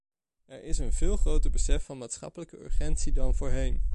Er is een veel groter besef van maatschappelijke urgentie dan voorheen.